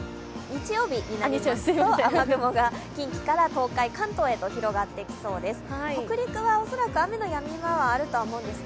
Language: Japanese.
日曜日になりますと雨雲が近畿から東海、関東へと移ってきそうです